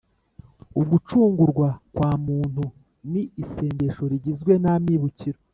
ugucungurwa kwa muntu ni isengesho rigizwe n’amibukiro